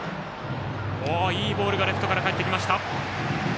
いいボールがレフトから返ってきました。